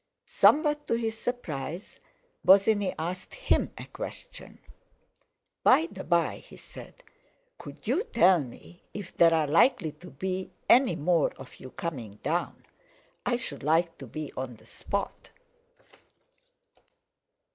Somewhat to his surprise Bosinney asked him a question. "By the by," he said, "could you tell me if there are likely to be any more of you coming down? I should like to be on the spot!"